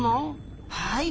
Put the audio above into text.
はい。